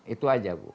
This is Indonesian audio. itu aja bu